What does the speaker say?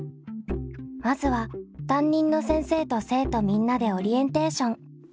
まずは担任の先生と生徒みんなでオリエンテーション。